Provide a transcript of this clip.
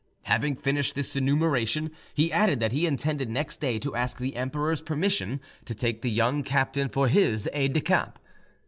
Having finished this enumeration, he added that he intended next day to ask the emperor's permission to take the young captain for his aide de camp.